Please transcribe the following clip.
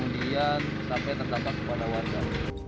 dan sampai terdapat kepada warga